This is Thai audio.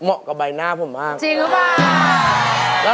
กับใบหน้าผมมากจริงหรือเปล่า